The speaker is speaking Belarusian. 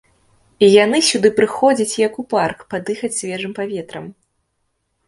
Яны сюды прыходзяць як у парк, падыхаць свежым паветрам.